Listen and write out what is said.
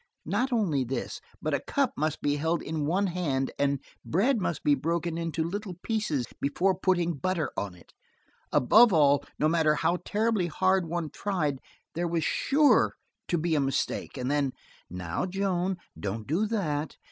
Not only this, but a cup must be held in one hand, and bread must be broken into little pieces before putting butter on it. Above all, no matter how terribly hard one tried, there was sure to be a mistake, and then: "Now, Joan, don't do that.